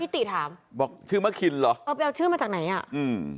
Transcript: ติถามบอกชื่อมะคินเหรอเออไปเอาชื่อมาจากไหนอ่ะอืม